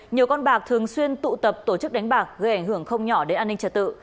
nhiều con bạc thường xuyên tụ tập tổ chức đánh bạc gây ảnh hưởng không nhỏ đến an ninh trật tự